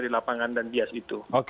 di lapangan dan bias itu